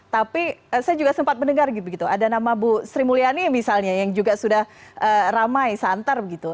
tapi saya juga sempat mendengar ada nama bu sri mulyani misalnya yang juga sudah ramai santer begitu